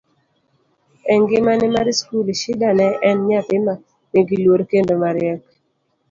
e ngimane mar skul, Shida ne en nyadhi ma nigi luor kendo mariek